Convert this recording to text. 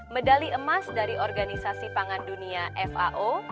medali emas dari organisasi pangan dunia fao